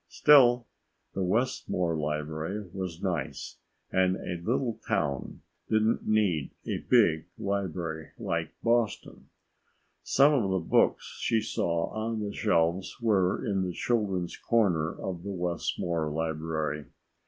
Still, the Westmore library was nice, and a little town didn't need a big library like Boston. Some of the books she saw on the shelves were in the children's corner of the Westmore library.